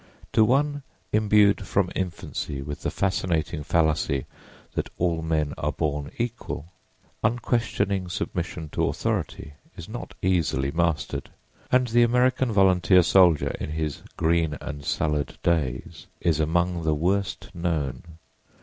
To one imbued from infancy with the fascinating fallacy that all men are born equal, unquestioning submission to authority is not easily mastered, and the American volunteer soldier in his "green and salad days" is among the worst known.